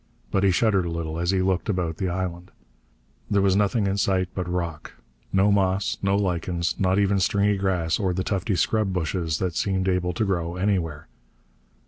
But he shuddered a little as he looked about the island. There was nothing in sight but rock. No moss. No lichens. Not even stringy grass or the tufty scrub bushes that seemed able to grow anywhere.